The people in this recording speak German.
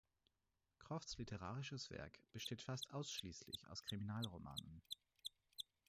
Crofts' literarisches Werk besteht fast ausschließlich aus Kriminalromanen.